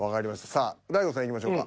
さあ大悟さんいきましょうか。